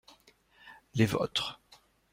Les vôtres.